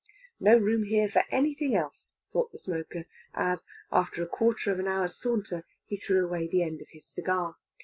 No room here for anything else, thought the smoker, as, after a quarter of an hour's saunter, he threw away the end of his cigar.